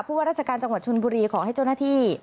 ว่าราชการจังหวัดชนบุรีขอให้เจ้าหน้าที่